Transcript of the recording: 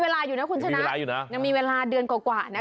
เขาก็มีโปรโมชั่นถึงแค่สิ้นเดือนมรรคาราคมเท่านั้น